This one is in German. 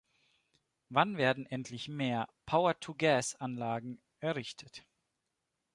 Wann werden endlich mehr Power-to-Gas-Anlagen errichtet?